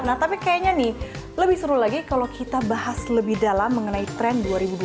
nah tapi kayaknya nih lebih seru lagi kalau kita bahas lebih dalam mengenai tren dua ribu dua puluh dua